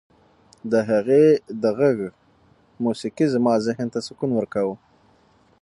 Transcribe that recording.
د هغې د غږ موسیقي زما ذهن ته سکون ورکاوه.